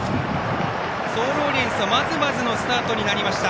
ソールオリエンスはまずまずのスタートになりました。